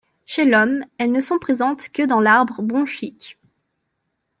Chez l’homme elles ne sont présentes que dans l’arbre bronchique.